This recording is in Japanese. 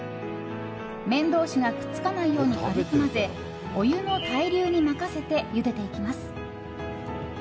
麺同士がくっつかないように軽く混ぜお湯の対流に任せてゆでていきます。